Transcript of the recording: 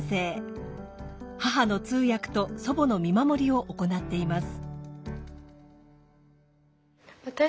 母の通訳と祖母の見守りを行っています。